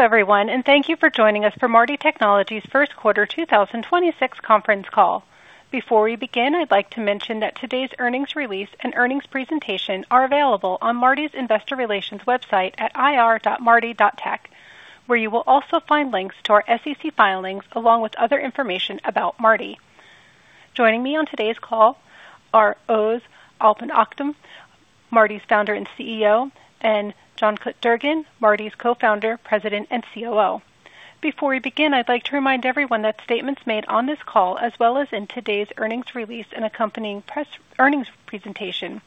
Hello everyone, thank you for joining us for Marti Technologies' First Quarter 2026 Conference Call. Before we begin, I'd like to mention that today's earnings release and earnings presentation are available on Marti's Investor Relations website at ir.marti.tech, where you will also find links to our SEC filings, along with other information about Marti. Joining me on today's call are Oğuz Alper Öktem, Marti's Co-Founder and CEO, and Cankut Durgun, Marti's Co-Founder, President, and COO. Before we begin, I'd like to remind everyone that statements made on this call, as well as in today's earnings release and accompanying earnings presentation,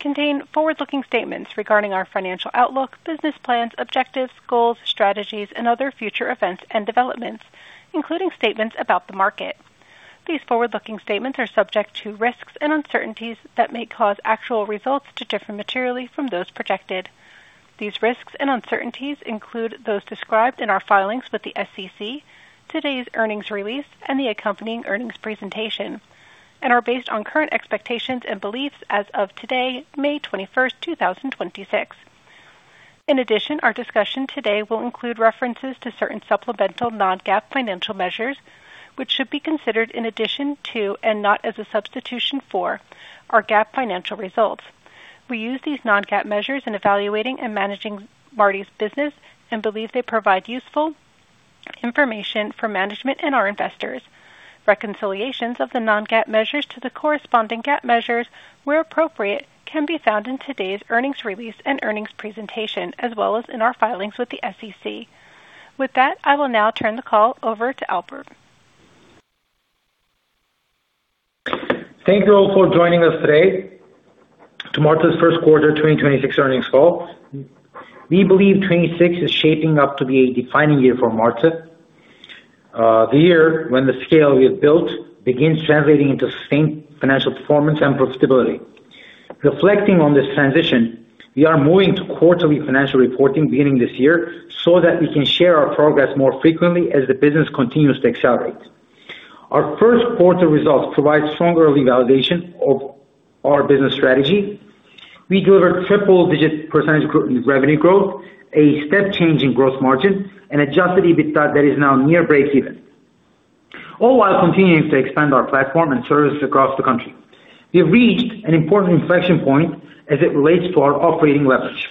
contain forward-looking statements regarding our financial outlook, business plans, objectives, goals, strategies, and other future events and developments, including statements about the market. These forward-looking statements are subject to risks and uncertainties that may cause actual results to differ materially from those projected. These risks and uncertainties include those described in our filings with the SEC, today's earnings release, and the accompanying earnings presentation, and are based on current expectations and beliefs as of today, May 21st, 2026. In addition, our discussion today will include references to certain supplemental non-GAAP financial measures, which should be considered in addition to, and not as a substitution for, our GAAP financial results. We use these non-GAAP measures in evaluating and managing Marti's business and believe they provide useful information for management and our investors. Reconciliations of the non-GAAP measures to the corresponding GAAP measures, where appropriate, can be found in today's earnings release and earnings presentation, as well as in our filings with the SEC. With that, I will now turn the call over to Alper. Thank you all for joining us today to Marti's First Quarter 2026 Earnings Call. We believe 2026 is shaping up to be a defining year for Marti. The year when the scale we have built begins translating into distinct financial performance and profitability. Reflecting on this transition, we are moving to quarterly financial reporting beginning this year so that we can share our progress more frequently as the business continues to accelerate. Our first quarter results provide strong early validation of our business strategy. We delivered triple-digit percentage revenue growth, a step change in gross margin, and adjusted EBITDA that is now near breakeven, all while continuing to expand our platform and services across the country. We have reached an important inflection point as it relates to our operating leverage.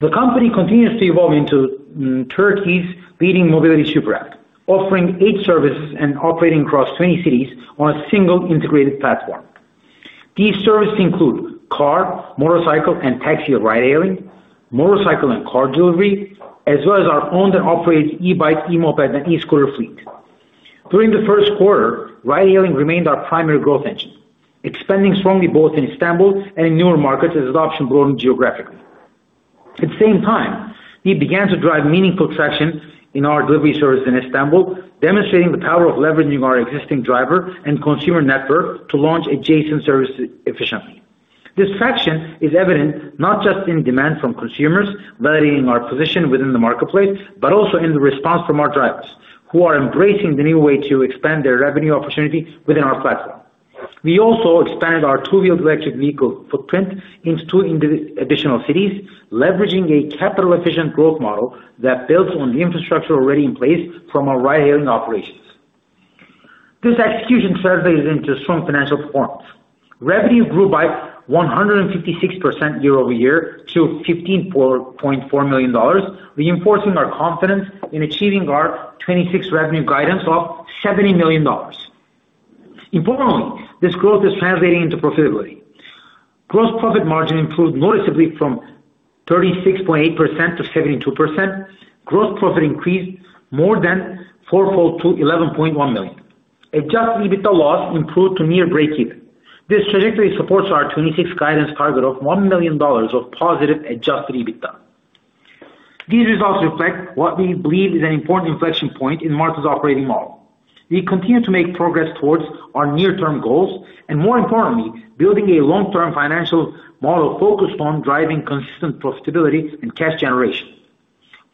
The company continues to evolve into Turkey's leading mobility super app, offering eight services and operating across 20 cities on a single integrated platform. These services include car, motorcycle, and taxi ride-hailing, motorcycle and car delivery, as well as our owned and operated e-bike, e-moped, and e-scooter fleet. During the first quarter, ride-hailing remained our primary growth engine, expanding strongly both in Istanbul and in newer markets as adoption grown geographically. At the same time, we began to drive meaningful traction in our delivery service in Istanbul, demonstrating the power of leveraging our existing driver and consumer network to launch adjacent services efficiently. This traction is evident not just in demand from consumers, validating our position within the marketplace, but also in the response from our drivers, who are embracing the new way to expand their revenue opportunity within our platform. We also expanded our two-wheeled electric vehicle footprint into additional cities, leveraging a capital-efficient growth model that builds on the infrastructure already in place from our ride-hailing operations. This execution translates into strong financial performance. Revenue grew by 156% year-over-year to $15.4 million, reinforcing our confidence in achieving our 2026 revenue guidance of $70 million. Importantly, this growth is translating into profitability. Gross profit margin improved noticeably from 36.8% to 72%. Gross profit increased more than four-fold to $11.1 million. Adjusted EBITDA loss improved to near breakeven. This trajectory supports our 2026 guidance target of $1 million of positive adjusted EBITDA. These results reflect what we believe is an important inflection point in Marti's operating model. We continue to make progress towards our near-term goals and, more importantly, building a long-term financial model focused on driving consistent profitability and cash generation.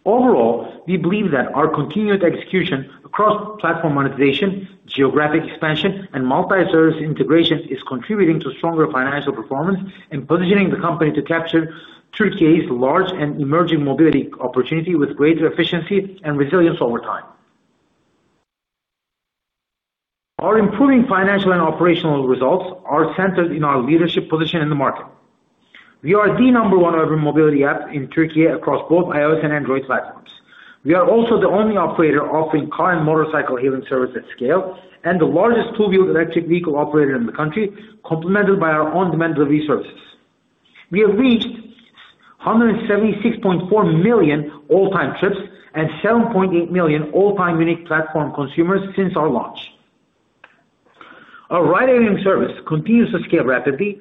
Overall, we believe that our continued execution across platform monetization, geographic expansion, and multi-service integration is contributing to stronger financial performance and positioning the company to capture Turkey's large and emerging mobility opportunity with greater efficiency and resilience over time. Our improving financial and operational results are centered in our leadership position in the market. We are the number one urban mobility app in Turkey across both iOS and Android platforms. We are also the only operator offering car and motorcycle hailing service at scale, and the largest two-wheeled electric vehicle operator in the country, complemented by our on-demand delivery services. We have reached 176.4 million all-time trips and 7.8 million all-time unique platform consumers since our launch. Our ride-hailing service continues to scale rapidly,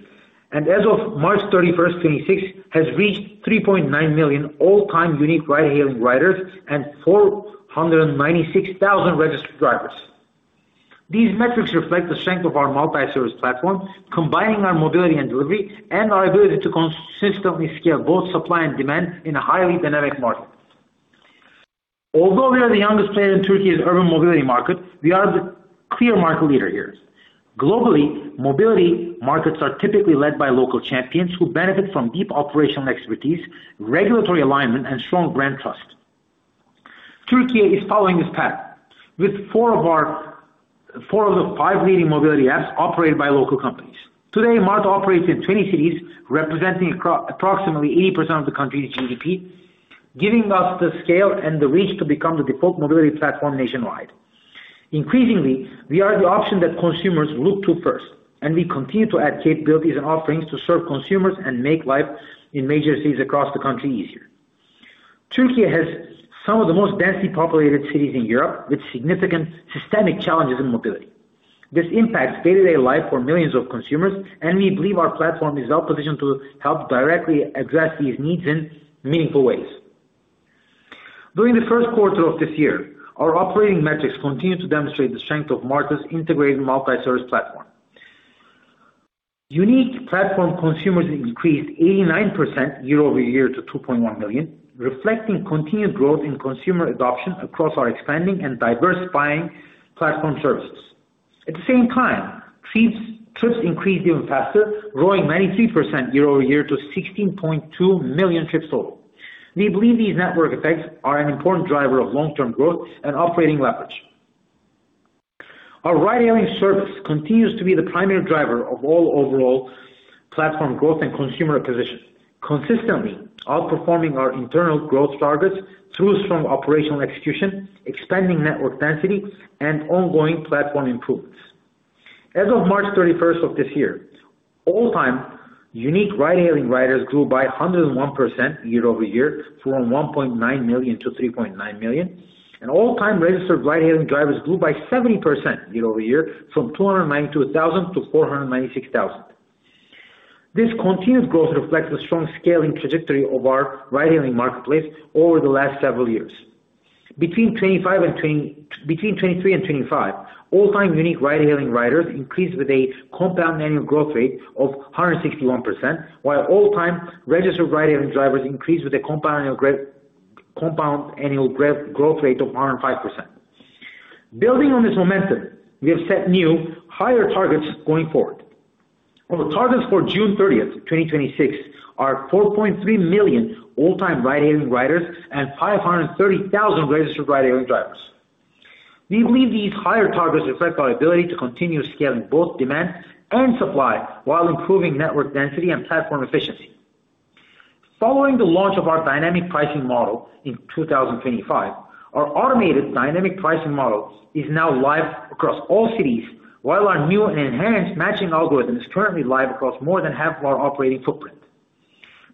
and as of March 31st, 2026 has reached 3.9 million all-time unique ride-hailing riders and 496,000 registered drivers. These metrics reflect the strength of our multi-service platform, combining our mobility and delivery, and our ability to consistently scale both supply and demand in a highly dynamic market. Although we are the youngest player in Turkey's urban mobility market, we are the clear market leader here. Globally, mobility markets are typically led by local champions who benefit from deep operational expertise, regulatory alignment, and strong brand trust. Turkey is following this path, with four of the five leading mobility apps operated by local companies. Today, Marti operates in 20 cities, representing approximately 80% of the country's GDP, giving us the scale and the reach to become the default mobility platform nationwide. Increasingly, we are the option that consumers look to first, and we continue to add capabilities and offerings to serve consumers and make life in major cities across the country easier. Turkey has some of the most densely populated cities in Europe, with significant systemic challenges in mobility. This impacts day-to-day life for millions of consumers, and we believe our platform is well-positioned to help directly address these needs in meaningful ways. During the first quarter of this year, our operating metrics continued to demonstrate the strength of Marti's integrated multi-service platform. Unique platform consumers increased 89% year-over-year to 2.1 million, reflecting continued growth in consumer adoption across our expanding and diversifying platform services. At the same time, trips increased even faster, growing 93% year-over-year to 16.2 million trips total. We believe these network effects are an important driver of long-term growth and operating leverage. Our ride-hailing service continues to be the primary driver of all overall platform growth and consumer acquisition, consistently outperforming our internal growth targets through strong operational execution, expanding network density, and ongoing platform improvements. As of March 31st of this year, all-time unique ride-hailing riders grew by 101% year-over-year from 1.9 million to 3.9 million, and all-time registered ride-hailing drivers grew by 70% year-over-year from 292,000 to 496,000. This continued growth reflects the strong scaling trajectory of our ride-hailing marketplace over the last several years. Between 2023 and 2025, all-time unique ride-hailing riders increased with a compound annual growth rate of 161%, while all-time registered ride-hailing drivers increased with a compound annual growth rate of 105%. Building on this momentum, we have set new, higher targets going forward. Our targets for June 30th, 2026, are 4.3 million all-time ride-hailing riders and 530,000 registered ride-hailing drivers. We believe these higher targets reflect our ability to continue scaling both demand and supply, while improving network density and platform efficiency. Following the launch of our dynamic pricing model in 2025, our automated dynamic pricing model is now live across all cities, while our new and enhanced matching algorithm is currently live across more than half our operating footprint.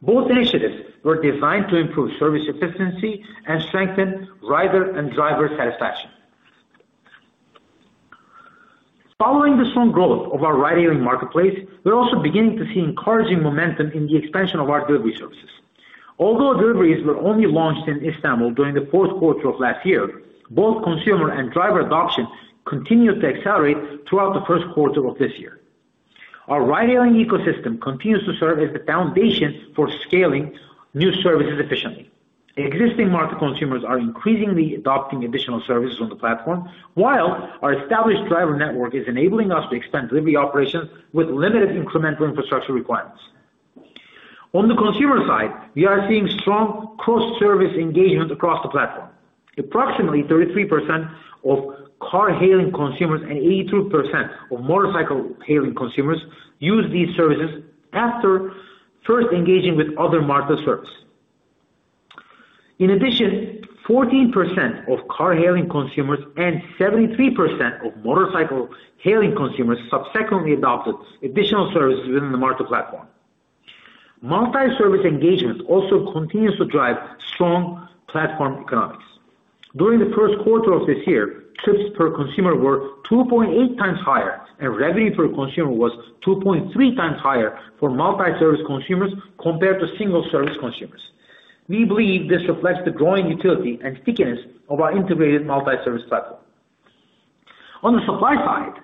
Both initiatives were designed to improve service efficiency and strengthen rider and driver satisfaction. Following the strong growth of our ride-hailing marketplace, we're also beginning to see encouraging momentum in the expansion of our delivery services. Deliveries were only launched in Istanbul during the fourth quarter of last year, both consumer and driver adoption continued to accelerate throughout the first quarter of this year. Our ride-hailing ecosystem continues to serve as the foundation for scaling new services efficiently. Existing Marti consumers are increasingly adopting additional services on the platform, while our established driver network is enabling us to expand delivery operations with limited incremental infrastructure requirements. On the consumer side, we are seeing strong cross-service engagement across the platform. Approximately 33% of car-hailing consumers and 82% of motorcycle-hailing consumers use these services after first engaging with other Marti service. In addition, 14% of car-hailing consumers and 73% of motorcycle-hailing consumers subsequently adopted additional services within the Marti platform. Multi-service engagement also continues to drive strong platform economics. During the first quarter of this year, trips per consumer were 2.8x higher, and revenue per consumer was 2.3x higher for multi-service consumers compared to single-service consumers. We believe this reflects the growing utility and stickiness of our integrated multi-service platform. On the supply side,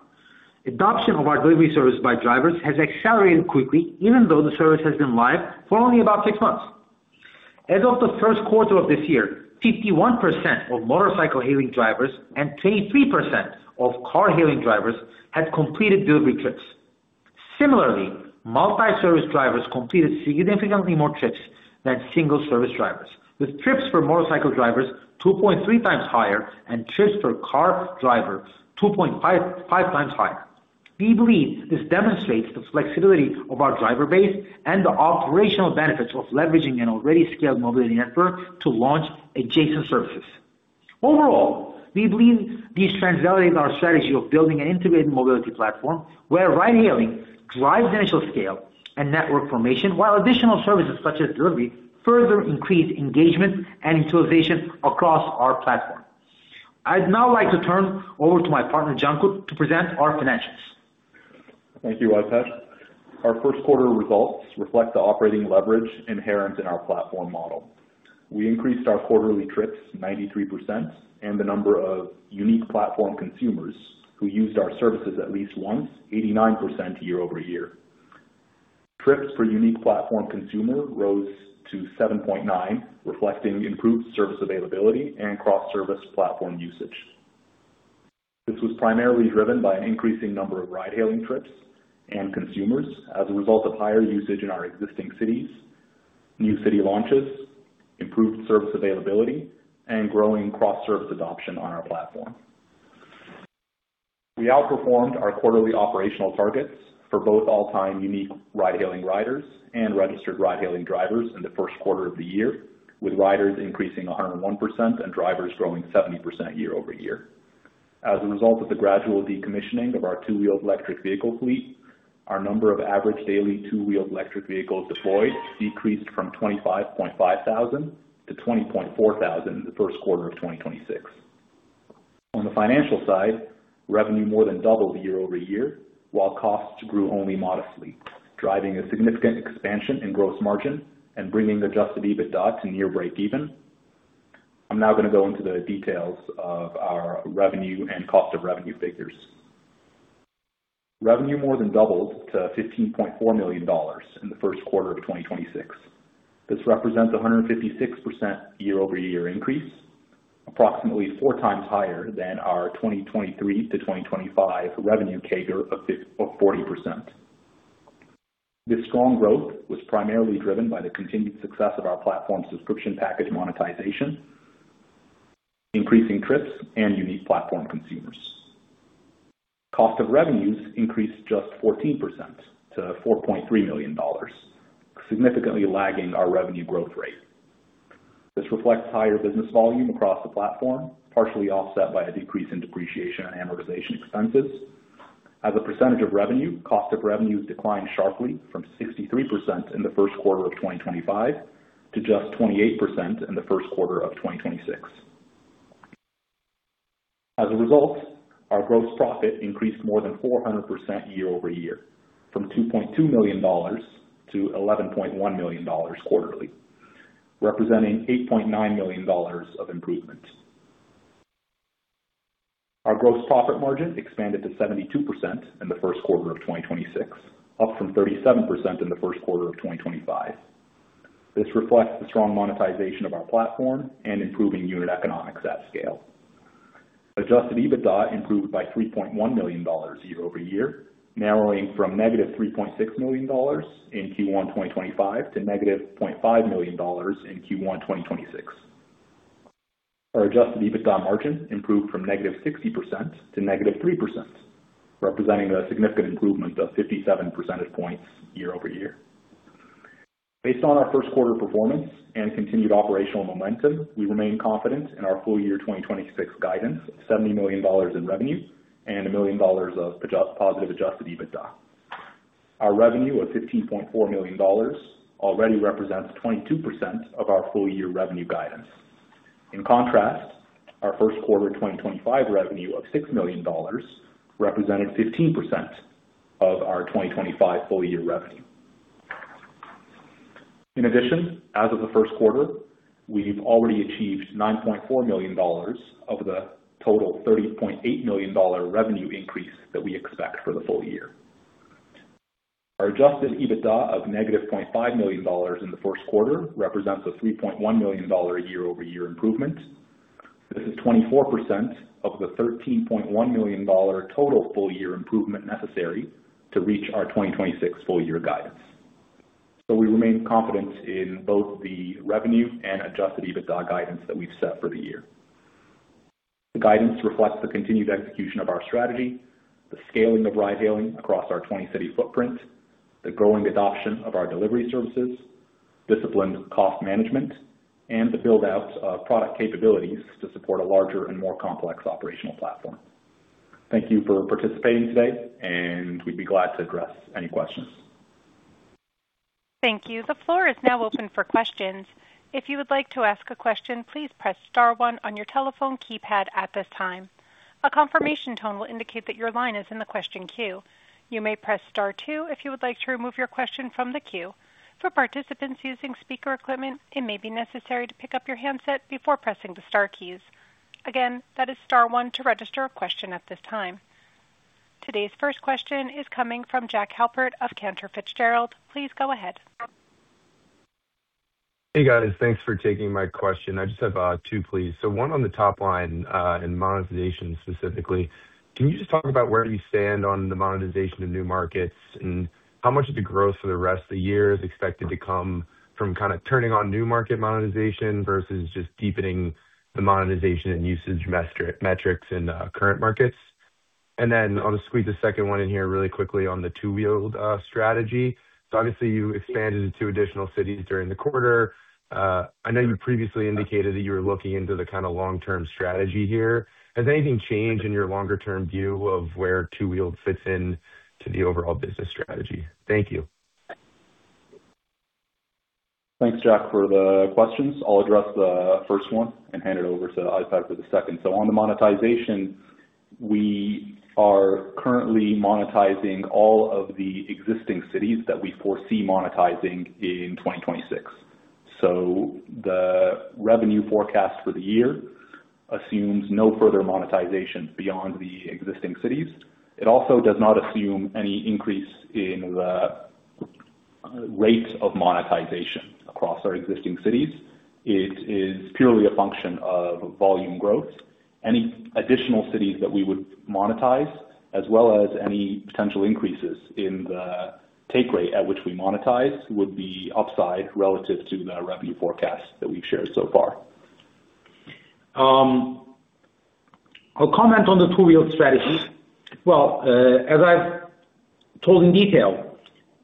adoption of our delivery service by drivers has accelerated quickly, even though the service has been live for only about six months. As of the first quarter of this year, 51% of motorcycle-hailing drivers and 23% of car-hailing drivers had completed delivery trips. Similarly, multi-service drivers completed significantly more trips than single-service drivers, with trips for motorcycle drivers 2.3x higher and trips for car drivers 2.5x higher. We believe this demonstrates the flexibility of our driver base and the operational benefits of leveraging an already scaled mobility network to launch adjacent services. Overall, we believe these trends validate our strategy of building an integrated mobility platform where ride-hailing drives initial scale and network formation, while additional services, such as delivery, further increase engagement and utilization across our platform. I'd now like to turn over to my partner, Cankut, to present our financials. Thank you, Alper. Our first quarter results reflect the operating leverage inherent in our platform model. We increased our quarterly trips 93%, and the number of unique platform consumers who used our services at least once, 89% year-over-year. Trips per unique platform consumer rose to 7.9x, reflecting improved service availability and cross-service platform usage. This was primarily driven by an increasing number of ride-hailing trips and consumers as a result of higher usage in our existing cities, new city launches, improved service availability, and growing cross-service adoption on our platform. We outperformed our quarterly operational targets for both all-time unique ride-hailing riders and registered ride-hailing drivers in the first quarter of the year, with riders increasing 101% and drivers growing 70% year-over-year. As a result of the gradual decommissioning of our two-wheeled electric vehicle fleet, our number of average daily two-wheeled electric vehicles deployed decreased from 25,500 to 20,400 in the first quarter of 2026. On the financial side, revenue more than doubled year-over-year, while costs grew only modestly, driving a significant expansion in gross margin and bringing adjusted EBITDA to near breakeven. I'm now going to go into the details of our revenue and cost of revenue figures. Revenue more than doubled to $15.4 million in the first quarter of 2026. This represents a 156% year-over-year increase, approximately 4x higher than our 2023-2025 revenue CAGR of 40%. This strong growth was primarily driven by the continued success of our platform subscription package monetization, increasing trips, and unique platform consumers. Cost of revenues increased just 14% to $4.3 million, significantly lagging our revenue growth rate. This reflects higher business volume across the platform, partially offset by a decrease in depreciation and amortization expenses. As a percentage of revenue, cost of revenues declined sharply from 63% in the first quarter of 2025 to just 28% in the first quarter of 2026. Our gross profit increased more than 400% year-over-year, from $2.2 million to $11.1 million quarterly, representing $8.9 million of improvement. Our gross profit margin expanded to 72% in the first quarter of 2026, up from 37% in the first quarter of 2025. This reflects the strong monetization of our platform and improving unit economics at scale. Adjusted EBITDA improved by $3.1 million year-over-year, narrowing from -$3.6 million in Q1 2025 to -$0.5 million in Q1 2026. Our adjusted EBITDA margin improved from -60% to -3%, representing a significant improvement of 57 percentage points year-over-year. Based on our first quarter performance and continued operational momentum, we remain confident in our full year 2026 guidance of $70 million in revenue and $1 million of positive adjusted EBITDA. Our revenue of $15.4 million already represents 22% of our full-year revenue guidance. In contrast, our first quarter 2025 revenue of $6 million represented 15% of our 2025 full-year revenue. In addition, as of the first quarter, we've already achieved $9.4 million of the total $30.8 million revenue increase that we expect for the full year. Our adjusted EBITDA of -$0.5 million in the first quarter represents a $3.1 million year-over-year improvement. This is 24% of the $13.1 million total full-year improvement necessary to reach our 2026 full-year guidance. We remain confident in both the revenue and adjusted EBITDA guidance that we've set for the year. The guidance reflects the continued execution of our strategy, the scaling of ride-hailing across our 20-city footprint, the growing adoption of our delivery services, disciplined cost management, and the build-out of product capabilities to support a larger and more complex operational platform. Thank you for participating today, and we'd be glad to address any questions. Thank you. The floor is now open for questions. If you would like to ask a question, please press star one on your telephone keypad at this time. A confirmation tone will indicate that your line is in the question queue. You may press star two if you would like to remove your question from the queue. For participants using speaker equipment, it may be necessary to pick up your handset before pressing the star keys. Again, that is star one to register a question at this time. Today's first question is coming from Jack Halpert of Cantor Fitzgerald. Please go ahead. Hey, guys. Thanks for taking my question. I just have two, please. One on the top line, and monetization specifically. Cankut you just talk about where you stand on the monetization of new markets and how much of the growth for the rest of the year is expected to come from turning on new market monetization versus just deepening the monetization and usage metrics in the current markets? I'll squeeze a second one in here really quickly on the two-wheeled strategy. Obviously you expanded to two additional cities during the quarter. I know you previously indicated that you were looking into the long-term strategy here. Has anything changed in your longer-term view of where two-wheeled fits into the overall business strategy? Thank you. Thanks, Jack, for the questions. I'll address the first one and hand it over to Alper for the second. On the monetization, we are currently monetizing all of the existing cities that we foresee monetizing in 2026. The revenue forecast for the year assumes no further monetization beyond the existing cities. It also does not assume any increase in the rate of monetization across our existing cities. It is purely a function of volume growth. Any additional cities that we would monetize, as well as any potential increases in the take rate at which we monetize, would be upside relative to the revenue forecast that we've shared so far. I'll comment on the two-wheeled strategy. As I've told in detail,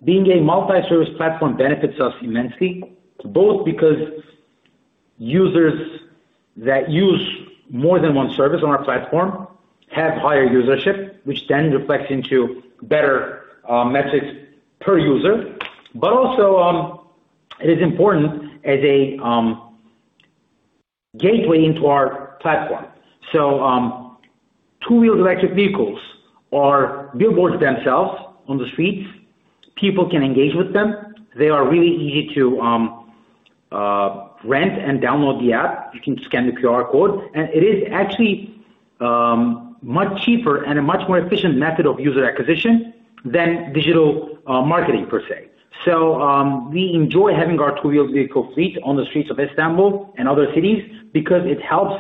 being a multi-service platform benefits us immensely, both because users that use more than one service on our platform have higher usership, which then reflects into better metrics per user. Also it is important as a gateway into our platform. Two-wheeled electric vehicles are billboards themselves on the streets. People can engage with them. They are really easy to rent and download the app. You can scan the QR code, and it is actually much cheaper and a much more efficient method of user acquisition than digital marketing per se. We enjoy having our two-wheeled vehicle fleet on the streets of Istanbul and other cities because it helps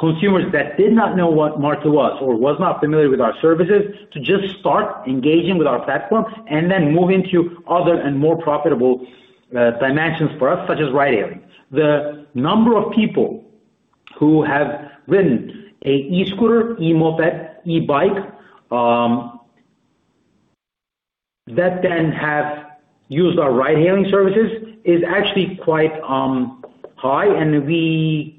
consumers that did not know what Marti was or was not familiar with our services to just start engaging with our platform and then move into other and more profitable dimensions for us, such as ride-hailing. The number of people who have ridden an e-scooter, e-moped, e-bike, that then have used our ride-hailing services is actually quite high, and we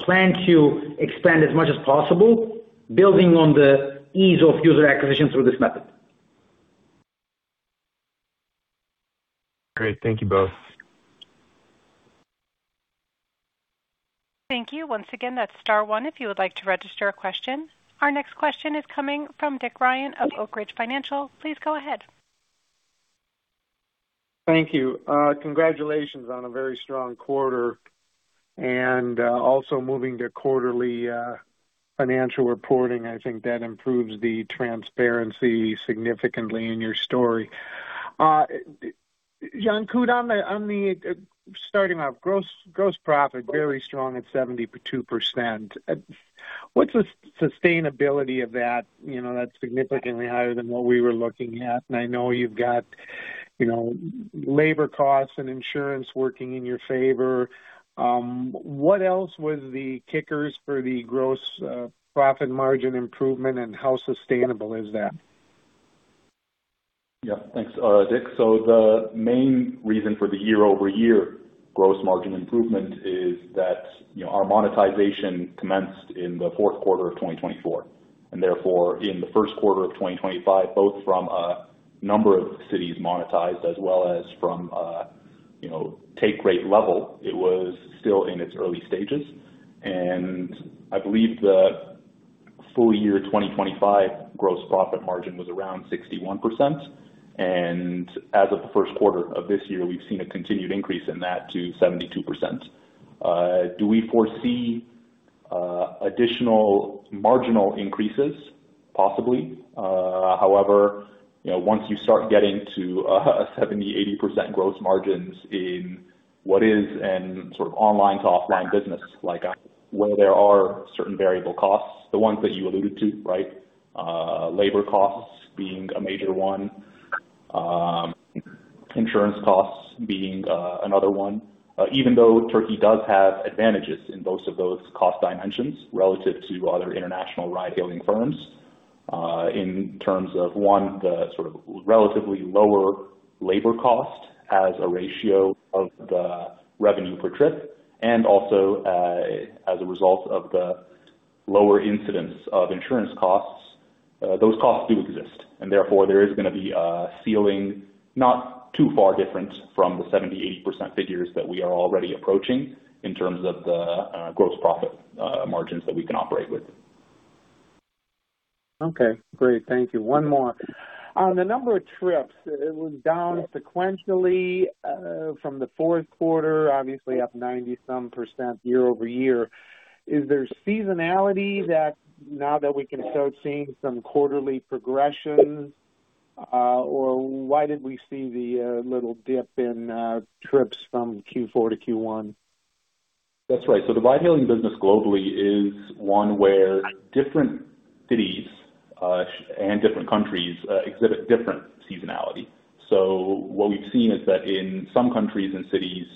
plan to expand as much as possible, building on the ease of user acquisition through this method. Great. Thank you both. Thank you. Once again, that's star one if you would like to register a question. Our next question is coming from Dick Ryan of Oak Ridge Financial. Please go ahead. Thank you. Congratulations on a very strong quarter and also moving to quarterly financial reporting. I think that improves the transparency significantly in your story. Cankut, starting off, gross profit, very strong at 72%. What's the sustainability of that? That's significantly higher than what we were looking at. I know you've got labor costs and insurance working in your favor. What else was the kickers for the gross profit margin improvement, and how sustainable is that? Thanks Dick. The main reason for the year-over-year gross margin improvement is that our monetization commenced in the fourth quarter of 2024, and therefore, in the first quarter of 2025, both from a number of cities monetized as well as from take rate level, it was still in its early stages. I believe the full year 2025 gross profit margin was around 61%, and as of the first quarter of this year, we've seen a continued increase in that to 72%. Do we foresee additional marginal increases? Possibly. However, once you start getting to 70%-80% gross margins in what is an online to offline business, where there are certain variable costs, the ones that you alluded to, labor costs being a major one, insurance costs being another one. Even though Turkey does have advantages in both of those cost dimensions relative to other international ride-hailing firms, in terms of, one, the relatively lower labor cost as a ratio of the revenue per trip, and also, as a result of the lower incidence of insurance costs. Those costs do exist, and therefore, there is going to be a ceiling not too far different from the 70%-80% figures that we are already approaching in terms of the gross profit margins that we can operate with. Okay, great. Thank you. One more. On the number of trips, it was down sequentially from the fourth quarter, obviously up some 90% year-over-year. Is there seasonality that now that we can start seeing some quarterly progression? Why did we see the little dip in trips from Q4 to Q1? That's right. The ride-hailing business globally is one where different cities and different countries exhibit different seasonality. What we've seen is that in some countries and cities,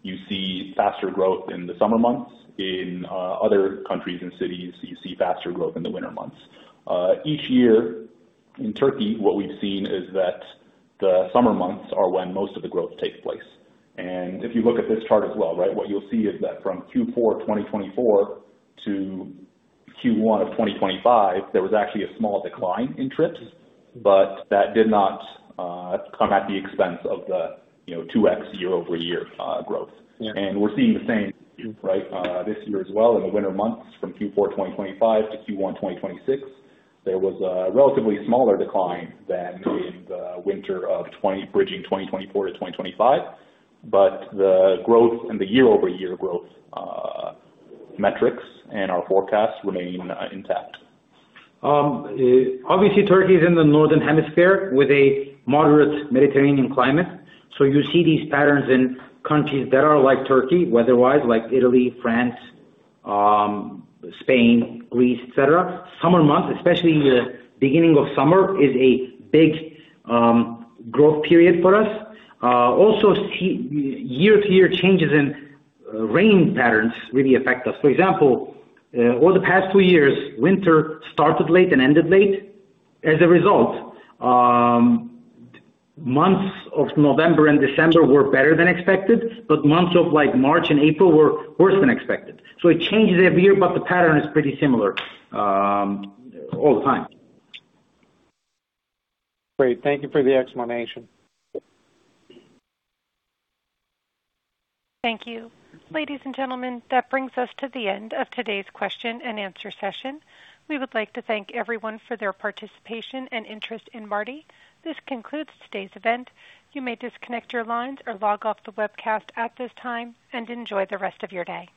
you see faster growth in the summer months. In other countries and cities, you see faster growth in the winter months. Each year in Turkey, what we've seen is that the summer months are when most of the growth takes place. If you look at this chart as well, right? What you'll see is that from Q4 of 2024 to Q1 of 2025, there was actually a small decline in trips, but that did not come at the expense of the 2x year-over-year growth. Yeah. We're seeing the same this year as well in the winter months from Q4 2025 to Q1 2026. There was a relatively smaller decline than in the winter bridging 2024-2025. The growth and the year-over-year growth metrics and our forecasts remain intact. Obviously, Turkey is in the northern hemisphere with a moderate Mediterranean climate. You see these patterns in countries that are like Turkey weather-wise, like Italy, France, Spain, Greece, et cetera. Summer months, especially the beginning of summer, is a big growth period for us. Year-to-year changes in rain patterns really affect us. Over the past two years, winter started late and ended late. Months of November and December were better than expected, but months of March and April were worse than expected. It changes every year, but the pattern is pretty similar all the time. Great. Thank you for the explanation. Thank you. Ladies and gentlemen, that brings us to the end of today's question and answer session. We would like to thank everyone for their participation and interest in Marti. This concludes today's event. You may disconnect your lines or log off the webcast at this time, and enjoy the rest of your day.